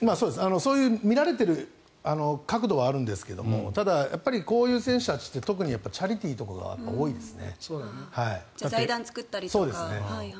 そう見られている角度はあるんですがただ、こういう選手たちってチャリティーとかが多いですね。